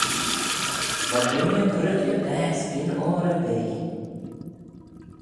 Va dooinney currit gy baase gyn oyr erbee.